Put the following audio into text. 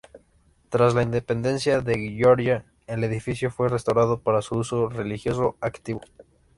Tras la independencia de Georgia, el edificio fue restaurado para su uso religioso activo.